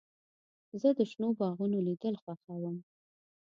زه د شنو باغونو لیدل خوښوم.